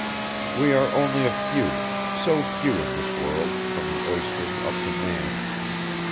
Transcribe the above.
We are only a few, so few in this world, from the oyster up to man.